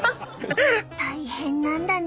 大変なんだね。